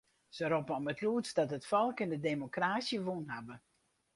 Se roppe om it lûdst dat it folk en de demokrasy wûn hawwe.